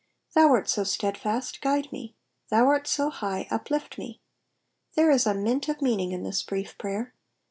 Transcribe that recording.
Thou art so steadfast, guide me ; thou art so high, uplift me. There is a mint of meaning in this brief prayer.